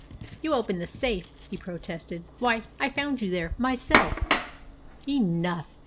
"You opened the safe!" he protested. "Why, I found you there myself!" "Enough!"